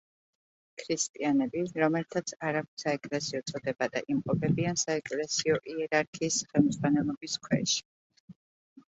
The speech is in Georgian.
ქრისტიანები, რომელთაც არ აქვთ საეკლესიო წოდება და იმყოფებიან საეკლესიო იერარქიის ხელმძღვანელობის ქვეშ.